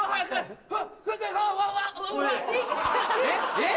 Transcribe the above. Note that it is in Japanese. えっ！